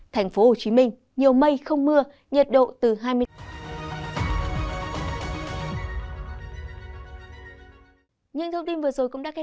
thành phố hồ chí minh nhiều mây không mưa nhiệt độ từ hai mươi một đến hai mươi tám độ